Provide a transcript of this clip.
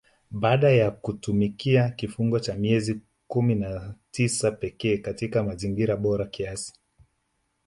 Baada ya kutumikia kifungo kwa miezi kumi na tisa pekee katika mazingira bora kiasi